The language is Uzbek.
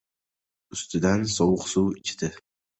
Ustidan sovuq suv ichdi.